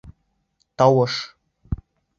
Тауыш!